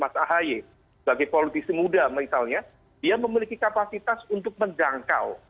nah oleh karena itu kita berharap ada kekuatan yang sama yang kemudian menguatkan poros tengah